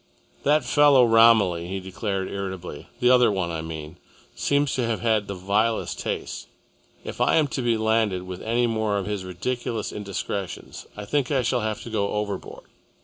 "That fellow Romilly," he declared irritably, "the other one, I mean, seems to have had the vilest tastes. If I am to be landed with any more of his ridiculous indiscretions, I think I shall have to go overboard.